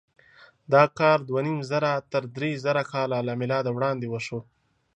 دا کار دوهنیمزره تر درېزره کاله له مېلاده وړاندې وشو.